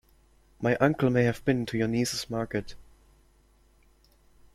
My uncle may have been to your niece's market.